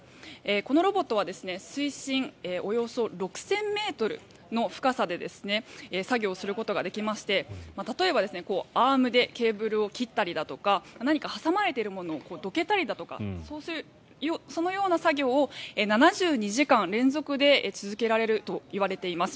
このロボットは水深およそ６０００ｍの深さで作業することができまして例えば、アームでケーブルを切ったりだとか何か挟まれたものをどけたりだとかそのような作業を７２時間連続で続けられるといわれています。